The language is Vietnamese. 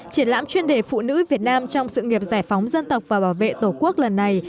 triển lãm chuyên đề phụ nữ việt nam trong sự nghiệp giải phóng dân tộc và bảo vệ tổ quốc lần này